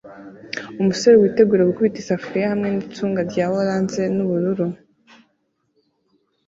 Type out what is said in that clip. Umusore witegura gukubita isafuriya hamwe nicunga rya orange nubururu